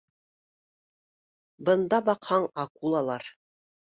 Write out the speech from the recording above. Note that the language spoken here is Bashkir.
Бында, баҡһаң, акулалар